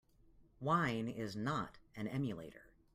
Wine is not an emulator.